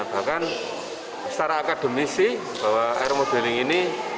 bahkan secara akademisi bahwa iron modeling ini